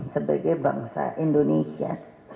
sebagai bangsa indonesia